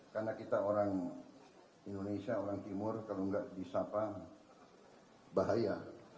karena kita orang indonesia orang timur kalau tidak di sapa bahaya